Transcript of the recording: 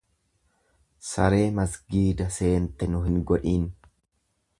Saree masgiida seente nu hin godhin.